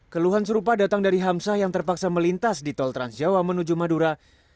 keluhan serupa datang dari hamsah yang terpaksa melintas di tol transjawa menuju madura